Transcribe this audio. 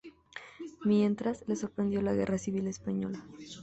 Mientras, le sorprendió la Guerra Civil Española.